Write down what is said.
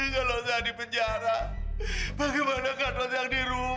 kalau saya di penjara bagaimana kantor saya di rumah